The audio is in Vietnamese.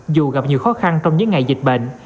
dù gặp nhiều khó khăn trong những ngày dịch bệnh